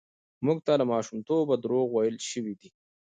موږ ته له ماشومتوبه دروغ ويل شوي دي.